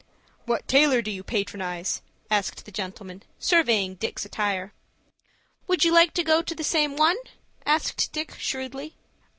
"What tailor do you patronize?" asked the gentleman, surveying Dick's attire. "Would you like to go to the same one?" asked Dick, shrewdly.